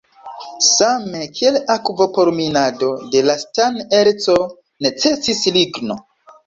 Same kiel akvo por minado de la stan-erco necesis ligno.